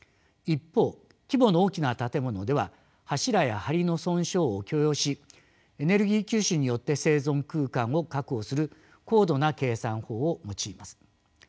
一方規模の大きな建物では柱や梁の損傷を許容しエネルギー吸収によって生存空間を確保する高度な計算法を用います。